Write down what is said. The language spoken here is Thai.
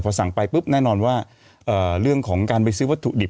สั่งไปปุ๊บแน่นอนว่าเรื่องของการไปซื้อวัตถุดิบ